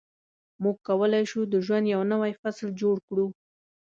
موږ کولای شو د ژوند یو نوی فصل شروع کړو.